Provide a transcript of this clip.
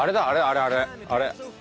あれあれあれあれ。